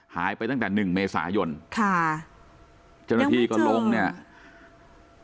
หายไปตั้งแต่หนึ่งเมษายนค่ะจนหน้าทีก็ลงเนี่ยยังไม่เจอ